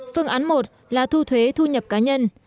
phương án một là thu thuế thu nhập cá nhân